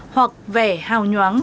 hoặc vẻ hào nhoáng